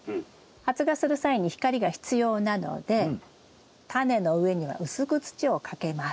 発芽する際に光が必要なのでタネの上には薄く土をかけます。